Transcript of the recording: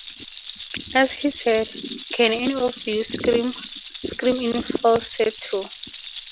And he said, 'Can any of you scream, scream in falsetto.